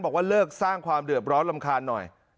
บอกว่าเลิกสร้างความเดือดร้อนรำคาญหน่อย